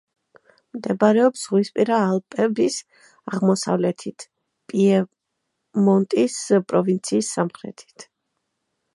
მდებარეობს ზღვისპირა ალპების აღმოსავლეთით, პიემონტის პროვინციის სამხრეთით.